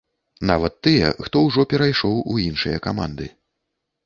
Нават тыя, хто ўжо перайшоў у іншыя каманды.